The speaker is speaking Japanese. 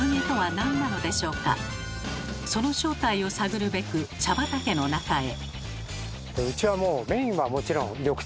その正体を探るべく茶畑の中へ。